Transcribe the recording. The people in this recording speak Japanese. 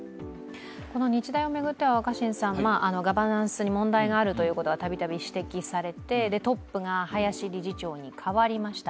この日大を巡っては、ガバナンスに問題があるということは度々指摘されて、トップが林理事長に代わりました。